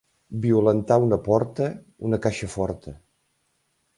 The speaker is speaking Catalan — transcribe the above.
Violentar una porta, una caixa forta.